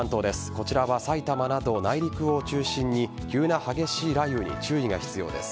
こちらはさいたまなど内陸を中心に急な激しい雷雨に注意が必要です。